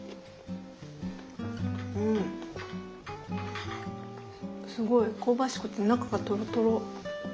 うんすごい香ばしくて中がトロトロ。